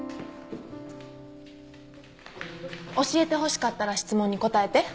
教えてほしかったら質問に答えて。